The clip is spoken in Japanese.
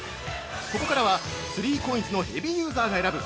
ここからは３ＣＯＩＮＳのヘビーユーザーが選ぶ！